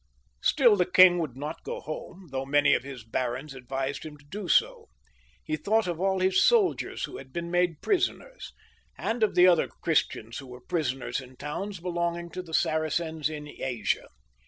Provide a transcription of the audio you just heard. Still the king would not go home, though many of his barons advised him to do so ; he thought of all his soldiers who had been made prisoners, and of the other 118 LOUIS IX, {SAINT LOUIS), [CH. Christians who were prisoners in towns belonging to the Saracens in Asia.